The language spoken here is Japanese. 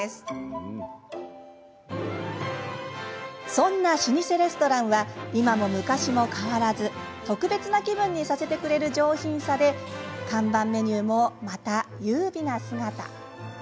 そんな老舗レストランは今も昔も変わらず特別な気分にさせてくれる上品さで看板メニューもまた優美な姿。